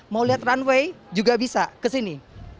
mau lihat runway juga bisa ke sini